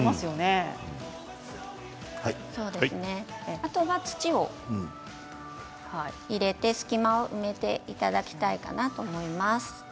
あとは土を入れて隙間を埋めていただきたいですね。